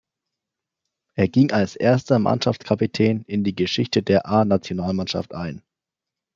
Er ging als erster Mannschaftskapitän in die Geschichte der A-Nationalmannschaft ein.